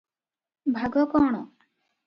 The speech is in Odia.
ଭାଗ କଣ?